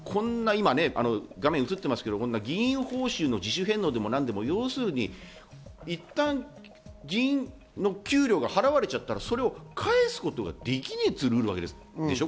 画面に映っていますけど議員報酬の自主返納でも何でもいったん議員の給料が払われちゃったら、それを返すことができねえっつうルールなわけでしょ？